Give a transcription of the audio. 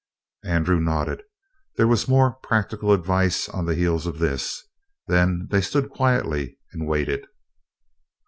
Andrew nodded. There was more practical advice on the heels of this. Then they stood quietly and waited.